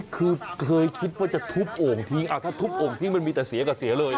คือเคยคิดว่าจะทุบโอ่งทิ้งถ้าทุบโอ่งทิ้งมันมีแต่เสียกับเสียเลย